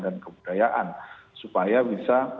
dan kebudayaan supaya bisa